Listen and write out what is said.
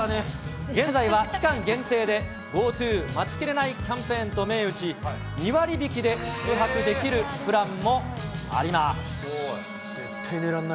現在は期間限定で、ＧｏＴｏ待ちきれないキャンペーンと銘打ち、２割引きで宿泊できるプランもあります。